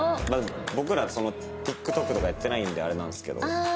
僕らそのＴｉｋＴｏｋとかやってないんであれなんですけど。